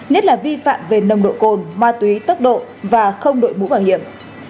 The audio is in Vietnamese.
nhất là vi phạm về nồng độ cồn ma túy tốc độ và không đội mũ bảo hiểm